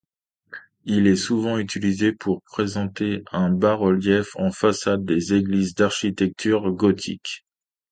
Il est souvent utilisé pour présenter un bas-relief en façade des églises d’architecture gothique.